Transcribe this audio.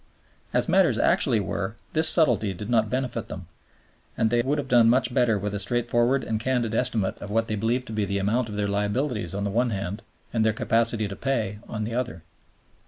As matters actually were, this subtlety did not benefit them, and they would have done much better with a straightforward and candid estimate of what they believed to be the amount of their liabilities on the one hand, and their capacity to pay on the other.